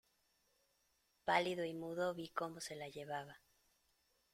pálido y mudo vi cómo se la llevaba: